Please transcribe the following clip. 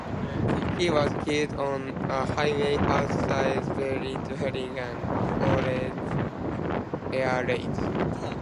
He was killed on a highway outside Berlin during an Allied Air raid.